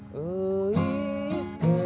bisik mas bro